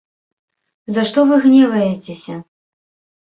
За што вы гневаецеся?